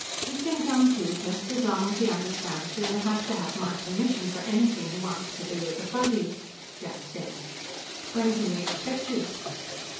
"He can come too, just as long as he understands that he'll have to have my permission for anything he wants to do with the Fuzzies," Jack said. "When can we expect you?"